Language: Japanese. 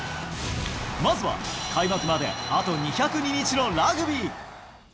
まずは開幕まであと２０２日のラグビー。